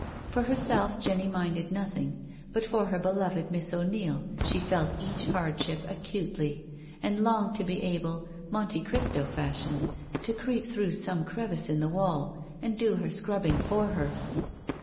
For herself Jenny minded nothing, but for her beloved Miss O'Neil she felt each hardship acutely, and longed to be able, Monte Cristo fashion, to creep through some crevice in the wall and do her scrubbing for her.